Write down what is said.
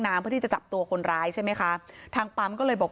เพื่อที่จะจับตัวคนร้ายใช่ไหมคะทางปั๊มก็เลยบอก